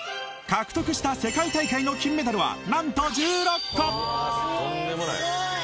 獲得した世界大会の金メダルは何と１６個！